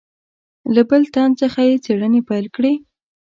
له بل تن څخه یې څېړنې پیل کړې.